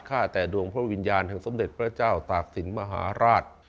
ฆ่าแต่ดวงพระวิญญาณแห่งสมเด็จพระเจ้าตากศิลป์มหาราช